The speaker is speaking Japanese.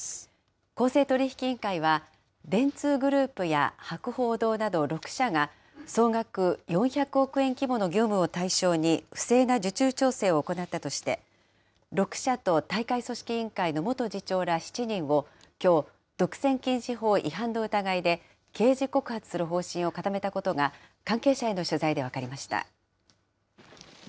公正取引委員会は、電通グループや博報堂など６社が、総額４００億円規模の業務を対象に不正な受注調整を行ったとして、６社と大会組織委員会の元次長ら７人を、きょう、独占禁止法違反の疑いで、刑事告発する方針を固めたことが、関係者への取材で分かりました。